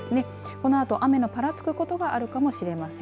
このあと雨が、ぱらつく所があるかもしれません。